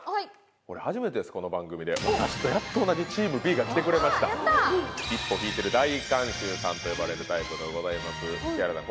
これ初めてですこの番組で私とやっと同じチームＢが来てくれましたさんと呼ばれるタイプでございます木原さん